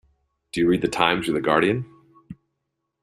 Do you read The Times or The Guardian?